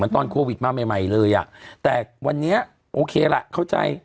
ตอนโควิดมาใหม่เลยอ่ะแต่วันนี้โอเคล่ะเข้าใจ